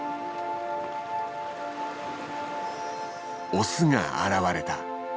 オスが現れた。